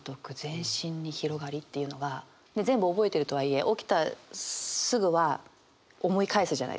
全部覚えてるとはいえ起きたすぐは思い返すじゃないですか。